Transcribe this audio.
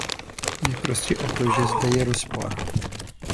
Jde prostě o to, že zde je rozpor.